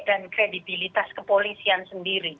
dan kredibilitas kepolisian sendiri